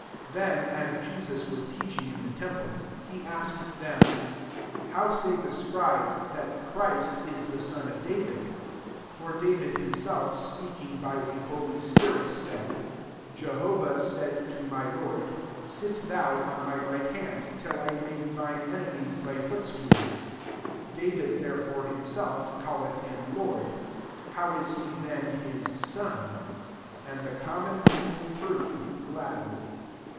35 Then, as Jesus was teach ing in the temple, he asked 96 MARK XIII. them^ "How say the scribe$ that Christ is the son of David ? 56 For David himself, speaking by a holy spirit, said, ' Jehovah said to my Lord, Sit thou on my right hand, till I make thine enemies thy footstooL' 37 David ftherefore] himself, calleth him Lord : how is he then his son ?" And the common people beard him gladly.